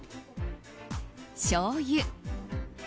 しょうゆ。